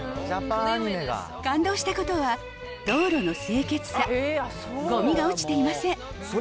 感動したことは、道路の清潔さ、ごみが落ちていません。